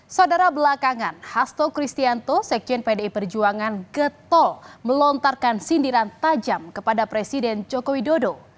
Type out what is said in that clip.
saudara belakangan hasto kristianto sekjen pdi perjuangan getol melontarkan sindiran tajam kepada presiden joko widodo